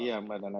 iya mbak dana